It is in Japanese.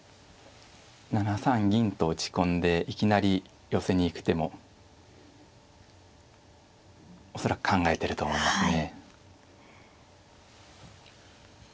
７三銀と打ち込んでいきなり寄せに行く手も恐らく考えてると思いますね。